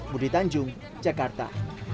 budi tanjung jakarta